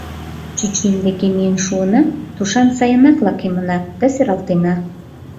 — Чӱчӱм деке миен шуына, тушан сайынак лакемына да сералтена...